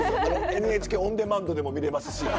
ＮＨＫオンデマンドでも見れますし。